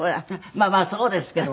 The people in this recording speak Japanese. まあまあそうですけど。